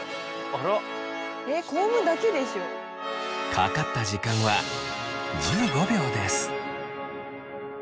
かかった時間は１５秒です。